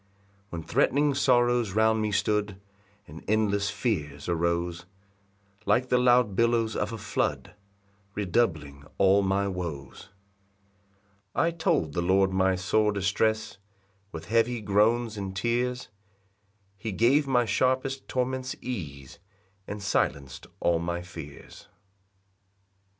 3 When threatening sorrows round me stood, And endless fears arose, Like the loud billows of a flood, Redoubling all my woes; 4 I told the Lord my sore distress With heavy groans and tears, He gave my sharpest torments ease, And silenc'd all my fears. PAUSE.